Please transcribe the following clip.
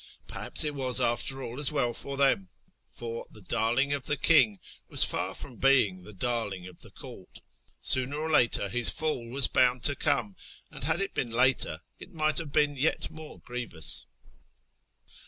Perhaps it was, after all, as well for them ; for " the Darling of the King " was far from being the " Darling of the Court." Sooner or later his fall was bound to come, and had it been later it might have been yet more grievous.